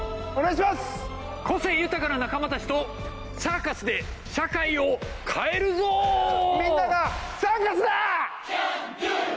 個性豊かな仲間たちとサーカスでみんながサーカスだ！